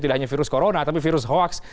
tidak hanya virus corona tapi virus hoax